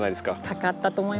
かかったと思いますね。